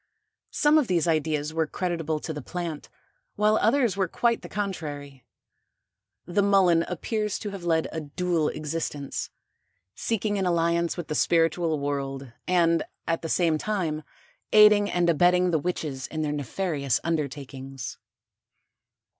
Some of these ideas were creditable to the plant, while others were quite the contrary. The Mullen appears to have led a dual existence, seeking an alliance with the spiritual world and at the same time aiding and abetting the witches in their nefarious undertakings.